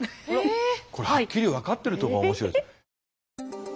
これはっきり分かってるとこが面白いですね。